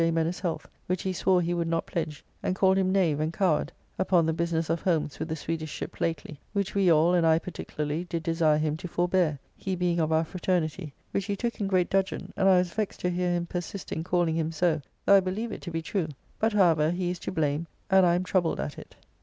Mennes' health, which he swore he would not pledge, and called him knave and coward (upon the business of Holmes with the Swedish ship lately), which we all and I particularly did desire him to forbear, he being of our fraternity, which he took in great dudgeon, and I was vexed to hear him persist in calling him so, though I believe it to be true, but however he is to blame and I am troubled at it.